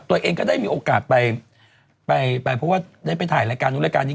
ตัวเองก็ได้มีโอกาสไปไปเพราะว่าได้ไปถ่ายรายการนู้นรายการนี้